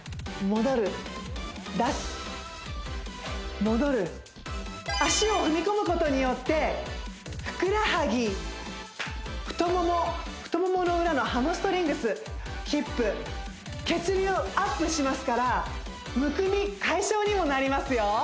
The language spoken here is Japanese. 戻る足を踏み込むことによってふくらはぎ太もも太ももの裏のハムストリングスヒップ血流アップしますからむくみ解消にもなりますよ